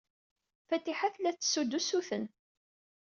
Fatiḥa tella tettessu-d usuten.